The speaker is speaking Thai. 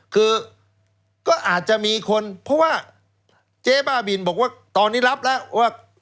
คือก็อาจจะมีคนเพราะว่าเจ๊บ้าบินบอกว่าตอนนี้รับแล้วว่า